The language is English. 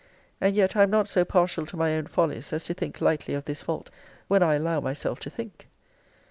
And yet I am not so partial to my own follies as to think lightly of this fault, when I allow myself to think.